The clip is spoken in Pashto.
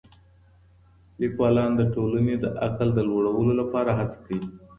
ليکوالان د ټولني د عقل د لوړولو لپاره هڅه کوي.